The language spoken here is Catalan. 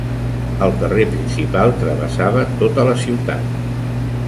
El carrer principal travessava tota la ciutat.